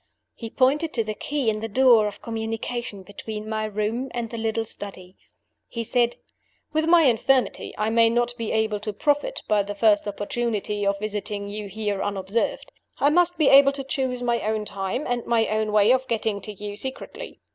"He pointed to the key in the door of communication between my room and the little study. "He said, 'With my infirmity, I may not be able to profit by the first opportunity of visiting you here unobserved. I must be able to choose my own time and my own way of getting to you secretly.